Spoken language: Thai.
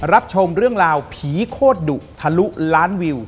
รับชมเรื่องราวผีโคตรดุทะลุล้านวิว